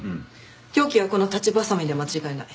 凶器はこの裁ちばさみで間違いない。